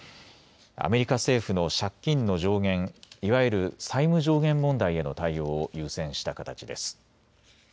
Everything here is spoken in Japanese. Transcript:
アメリカ政府の借金の上限、いわゆる債務上限問題への対応を優先した形です。